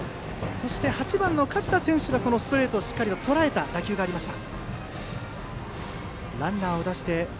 そして８番の勝田選手がそのストレートを、しっかりとらえた打球がありました。